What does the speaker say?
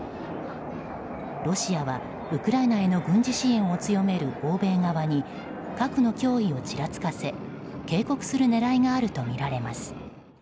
ロシアはウクライナへの軍事支援を強める欧米側に核の脅威をちらつかせ警告する狙いがあるとみられます。